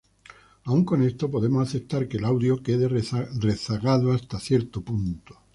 Aun con esto, podemos aceptar que el audio quede rezagado hasta cierto punto.